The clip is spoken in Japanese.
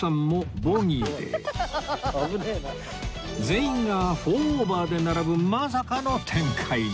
全員が４オーバーで並ぶまさかの展開に